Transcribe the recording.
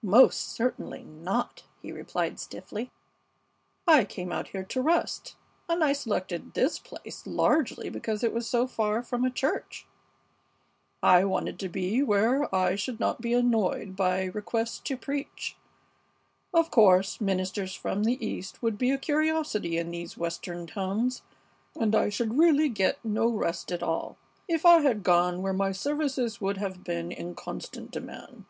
"Most certainly not," he replied, stiffly. "I came out here to rest, and I selected this place largely because it was so far from a church. I wanted to be where I should not be annoyed by requests to preach. Of course, ministers from the East would be a curiosity in these Western towns, and I should really get no rest at all if I had gone where my services would have been in constant demand.